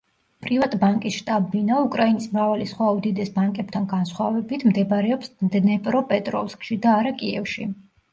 პრივატბანკის შტაბ-ბინა, უკრაინის მრავალი სხვა უდიდეს ბანკებთან განსხვავებით, მდებარეობს დნეპროპეტროვსკში, და არა კიევში.